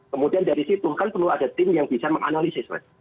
kemudian dari situ kan perlu ada tim yang bisa menganalisis mas